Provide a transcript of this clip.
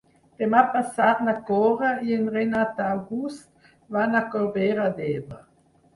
Demà passat na Cora i en Renat August van a Corbera d'Ebre.